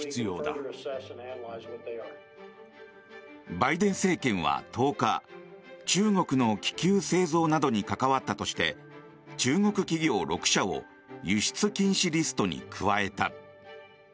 バイデン政権は１０日中国の気球製造などに関わったとして中国企業６社を輸出禁止リストに加えた。